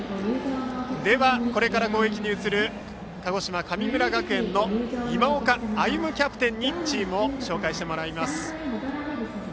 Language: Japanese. では、これから攻撃に移る鹿児島・神村学園の今岡歩夢キャプテンにチームを紹介してもらいます。